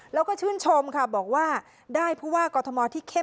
แล้วก็ชื่นชมค่ะบอกว่าได้ผู้ว่ากอทมที่เข้ม